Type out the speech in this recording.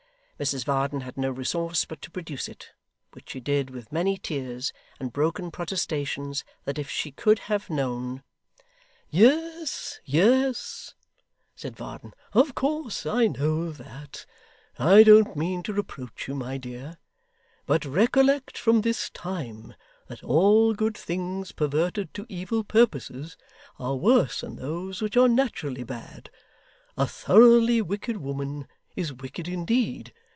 Mrs Varden had no resource but to produce it, which she did with many tears, and broken protestations that if she could have known 'Yes, yes,' said Varden, 'of course I know that. I don't mean to reproach you, my dear. But recollect from this time that all good things perverted to evil purposes, are worse than those which are naturally bad. A thoroughly wicked woman, is wicked indeed.